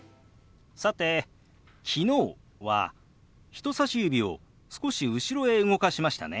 さて「昨日」は人さし指を少し後ろへ動かしましたね。